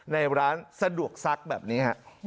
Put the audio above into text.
ในร้านสะดวกซักแบบนี้ฮะ